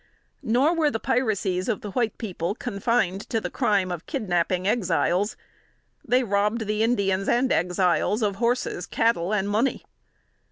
Nor were the piracies of the white people confined to the crime of kidnapping Exiles. They robbed the Indians and Exiles of horses, cattle and money.